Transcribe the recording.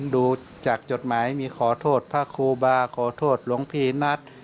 ดูจากจดหมายมีขอโทษพระครูบาขอโทษหลวงพี่นัท